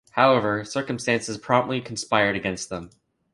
However, circumstances promptly conspired against them.